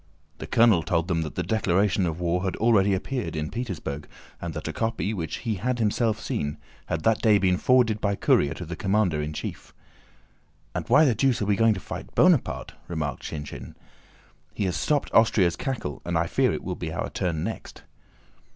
The colonel told them that the declaration of war had already appeared in Petersburg and that a copy, which he had himself seen, had that day been forwarded by courier to the commander in chief. "And why the deuce are we going to fight Bonaparte?" remarked Shinshín. "He has stopped Austria's cackle and I fear it will be our turn next."